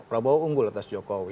prabowo unggul atas jokowi